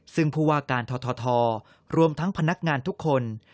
ซึ่งผู้ว่าการททรวมทั้งพนักงานทุกคน